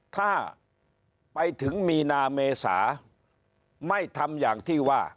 ถ้าไปถึงมีนาเมษาไม่ทำอย่างที่ว่า